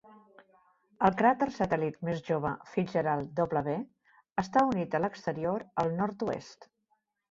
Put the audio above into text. El cràter satèl·lit més jove FitzGerald W està unit a l'exterior al nord-oest.